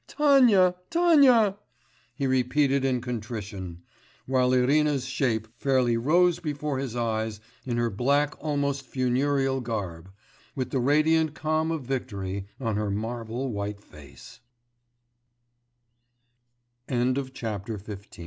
Tanya! Tanya!' he repeated in contrition; while Irina's shape fairly rose before his eyes in her black almost funereal garb, with the radiant calm of victory on her marb